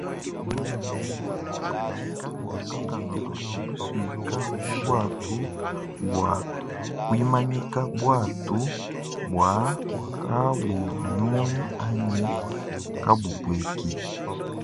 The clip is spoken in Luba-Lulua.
Tshikale ne lukanu ludi lusuika ku buatu bua kuimanyika buatu bua kabunyunyi anyi kabupueki.